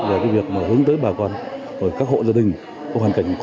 và việc hướng tới bà con các hộ gia đình